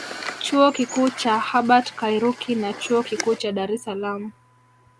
Chuo Kikuu cha Hubert Kairuki na Chuo Kikuu cha Dar es Salaam